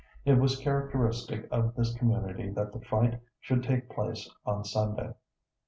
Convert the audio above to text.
It was characteristic of this community that the fight should take place on Sunday.